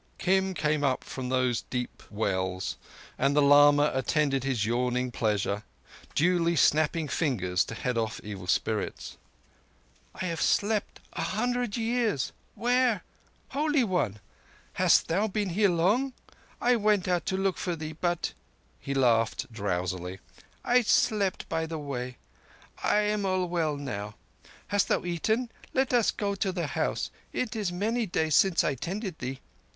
Kim came up from those deep wells, and the lama attended his yawning pleasure; duly snapping fingers to head off evil spirits. "I have slept a hundred years. Where—? Holy One, hast thou been here long? I went out to look for thee, but"—he laughed drowsily—"I slept by the way. I am all well now. Hast thou eaten? Let us go to the house. It is many days since I tended thee.